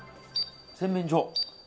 洗面所。